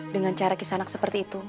dengan cara kaki sanak seperti itu